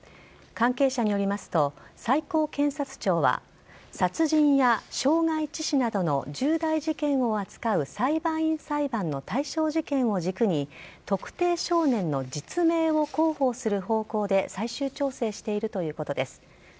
関係者によりますと最高検察庁は殺人や傷害致死などの重大事件を扱う裁判員裁判の対象事件を軸に特定少年の実名を広報する方向で最終調整しているということです。